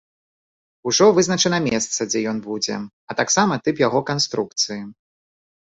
Ужо вызначана месца, дзе ён будзе, а таксама тып яго канструкцыі.